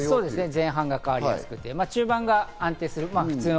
前半が変わりやすくて、中盤が安定する。